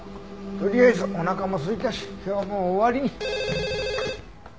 とりあえずおなかもすいたし今日はもう終わりに。